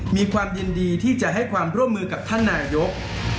มีความยินดีที่จะให้ความร่วมมือกับท่านนายก